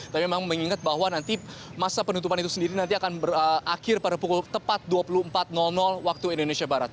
tapi memang mengingat bahwa nanti masa penutupan itu sendiri nanti akan berakhir pada pukul tepat dua puluh empat waktu indonesia barat